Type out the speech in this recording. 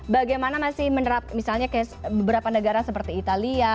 bagaimana masih menerap misalnya beberapa negara seperti italia